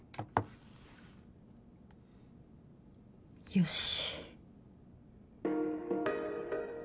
よし。